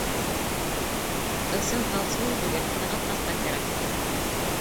Ысын һалсы ул бөгөн! һынатмаҫҡа кәрәк.